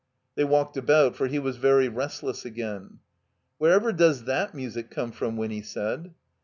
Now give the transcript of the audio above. They walked about, for he was very restless again. "Wherever does that music come from?" Winny said.